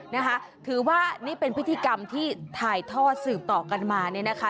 นะคะถือว่านี่เป็นพิธีกรรมที่ถ่ายทอดสืบต่อกันมาเนี่ยนะคะ